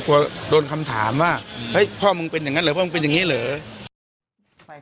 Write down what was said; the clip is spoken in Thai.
กลัวโดนคำถามว่าเฮ้ยพ่อมึงเป็นอย่างนั้นเหรอพ่อมึงเป็นอย่างนี้เหรอ